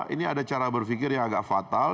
ini ada cara berpikir yang agak fatal